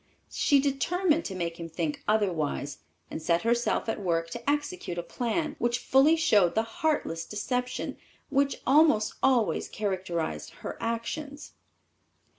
She determined to make him think otherwise, and set herself at work to execute a plan, which fully showed the heartless deception which almost always characterized her actions.